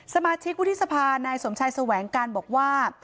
สมาชิกวุฒิสภานายสมชายแสวงการบอกว่า